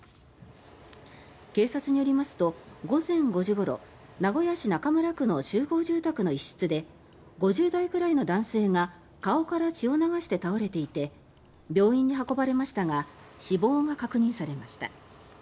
警察によりますと、午前５時ごろ名古屋市中村区の集合住宅の一室で５０代ぐらいの男性が顔から血を流して倒れていて病院に運ばれましたが死亡が確認されました。